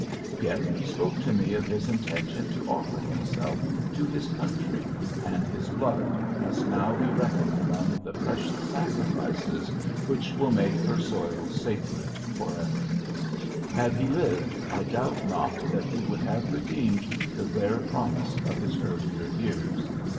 Yet he spoke to me of his intention to offer himself to his country, and his blood must now be reckoned among the precious sacrifices which will make her soil sacred forever. Had he lived, I doubt not that he would have redeemed the rare promise of his earlier years.